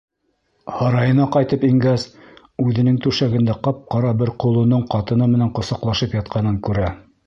Һарайына ҡайтып ингәс, үҙенең түшәгендә ҡап-ҡара бер ҡолоноң ҡатыны менән ҡосаҡлашып ятҡанын күрә.